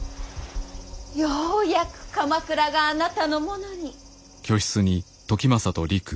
ようやく鎌倉があなたのものに。